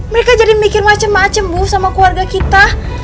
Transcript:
mereka jadi mikir macem macem bu sama keluarga kita